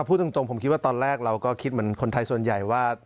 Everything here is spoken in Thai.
พูดตรงผมคิดว่าตอนแรกเราก็คิดเหมือนคนไทยส่วนใหญ่ว่า